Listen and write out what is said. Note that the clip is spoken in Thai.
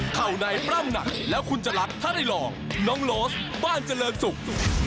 เข้าในปล้ำหนักแล้วคุณจรัสถ้าได้ลองน้องโลสบ้านเจริญศุกร์